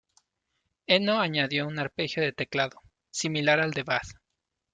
Eno añadió un arpegio de teclado, similar al de "Bad".